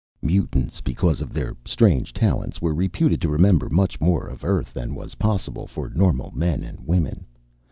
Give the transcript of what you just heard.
Mutants, because of their strange talents, were reputed to remember much more of Earth than was possible for normal men and women.